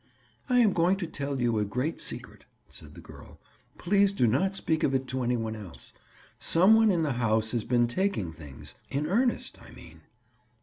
"I am going to tell you a great secret," said the girl. "Please do not speak of it to any one else. Some one in the house has been taking things—in earnest, I mean."